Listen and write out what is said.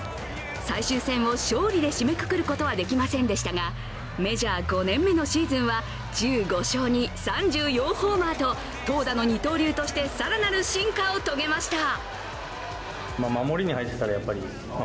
最終戦を勝利で締めくくることはできませんでしたがメジャー５年目のシーズンは１５勝に３４ホーマーと投打の二刀流として更なる進化を遂げました。